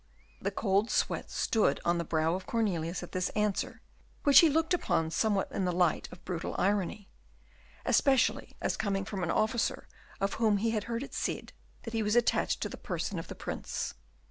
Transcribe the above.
The cold sweat stood on the brow of Cornelius at this answer, which he looked upon somewhat in the light of brutal irony, especially as coming from an officer of whom he had heard it said that he was attached to the person of the Prince.